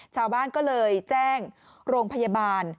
ชาวบ้านก็เลยแจ้งโรงพยาบาล